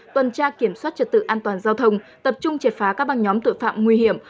tuần tra kiểm soát trật tự an toàn giao thông tập trung triệt phá các băng nhóm tội phạm nguy hiểm